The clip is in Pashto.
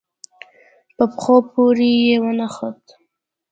په پښو پورې يې ونښت.